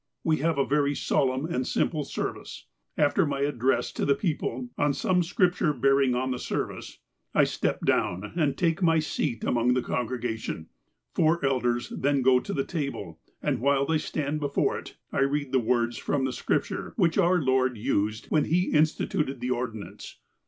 We have a very solenm and simple service. After my address to the people, on some Scripture bearing on the service — I step down, and take my seat among the congregation ;— four elders then go to the table, and while they stand before it I read the words from the Scripture which our Lord used when He in stituted the ordinance.